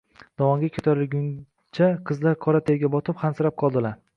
Dovonga koʼtarilguncha qizlar qora terga botib, hansirab qoldilar.